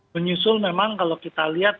menyusul memang kalau kita lihat